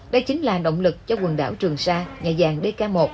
đây chính là động lực cho quần đảo trường sa nhà dàng dk một